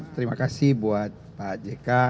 terima kasih buat pak jk